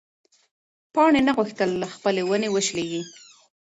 پاڼې نه غوښتل چې له خپلې ونې وشلېږي.